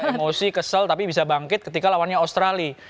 emosi kesel tapi bisa bangkit ketika lawannya australia